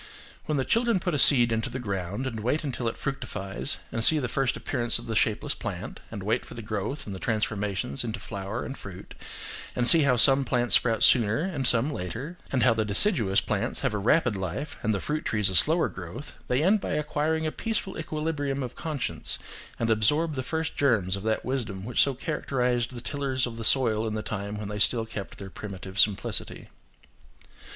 When the children put a seed into the ground, and wait until it fructifies, and see the first appearance of the shapeless plant, and wait for the growth and the transformations into flower and fruit, and see how some plants sprout sooner and some later, and how the deciduous plants have a rapid life, and the fruit trees a slower growth, they end by acquiring a peaceful equilibrium of conscience, and absorb the first germs of that wisdom which so characterised the tillers of the soil in the time when they still kept their primitive simplicity.